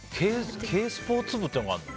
軽スポーツ部っていうのがあるんだ。